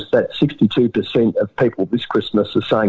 dan menemukan bahwa enam puluh dua orang di christmas ini